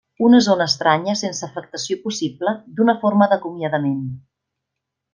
Una zona estranya sense afectació possible, d'una forma d'acomiadament.